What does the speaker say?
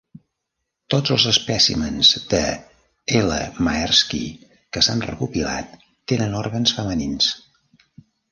Tots els espècimens de "L. maerski" que s'han recopilat tenen òrgans femenins.